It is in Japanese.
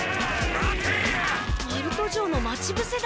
ナルト城の待ちぶせだ！